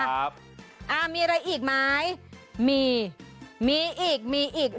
อ่ามีอะไรอีกไหมมีมีอีกมีอีก